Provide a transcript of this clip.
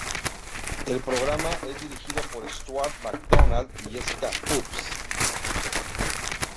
El programa es dirigido por Stuart McDonald y Jessica Hobbs.